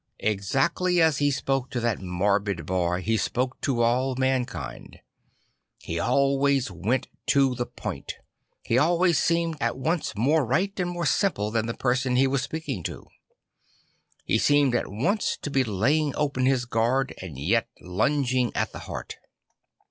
Exactly as he spoke to that morbid boy he spoke to all mankind. He always went to the point; he always seemed at once more right and more simple than the person he was speaking to. He seemed at once to be laying open his guard and yet lung ing at the heart.